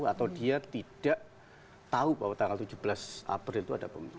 atau dia tidak tahu bahwa tanggal tujuh belas april itu ada pemilu